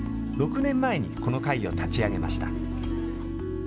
６年前にこの会を立ち上げました。